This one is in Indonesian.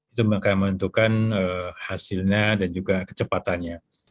itu akan menentukan hasilnya dan juga kecepatannya